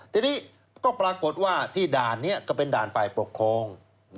ทีนี้ก็ปรากฏว่าที่ด่านนี้ก็เป็นด่านฝ่ายปกครอง